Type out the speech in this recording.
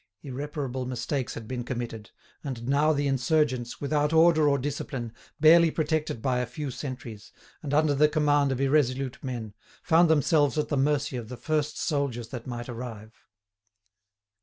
Irreparable mistakes had been committed; and now the insurgents, without order or discipline, barely protected by a few sentries, and under the command of irresolute men, found themselves at the mercy of the first soldiers that might arrive.